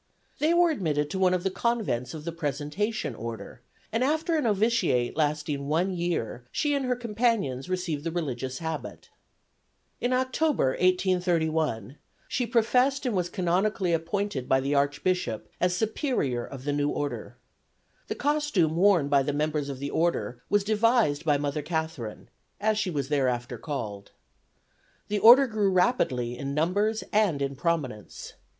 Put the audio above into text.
They were admitted to one of the convents of the Presentation Order, and after a novitiate lasting one year she and her companions received the religious habit. In October, 1831, she professed and was canonically appointed by the Archbishop as Superior of the new order. The costume worn by the members of the order was devised by Mother Catherine, as she was thereafter called. The Order grew rapidly in numbers and in prominence.